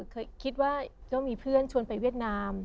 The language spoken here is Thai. เคยคิดว่าก็มีเพื่อนชวนไปเวียดนาม